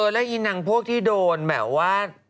แล้วอีนางพวกที่โดนแบบว่า